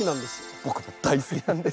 僕も大好きなんです。